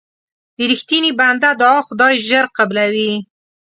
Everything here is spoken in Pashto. د رښتیني بنده دعا خدای ژر قبلوي.